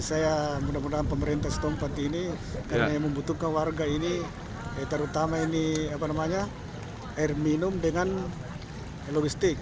saya mudah mudahan pemerintah setempat ini karena yang membutuhkan warga ini terutama ini air minum dengan logistik